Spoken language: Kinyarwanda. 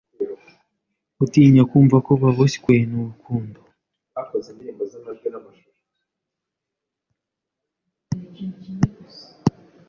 gutinya kumvako baboshywe n’urukundo,